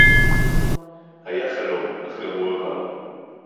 הָיָה חֲלוֹם – אַךְ גַּם הוּא עָבָר